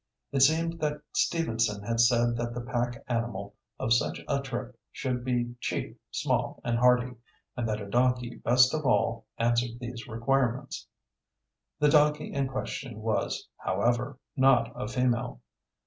It seemed that Stevenson had said that the pack animal of such a trip should be "cheap, small and hardy," and that a donkey best of all answered these requirements. The donkey in question was, however, not a female.